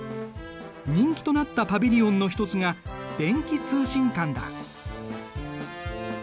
人気となったパビリオンの一つが電気通信館だ。